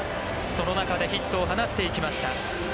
その中でヒットを放っていきました。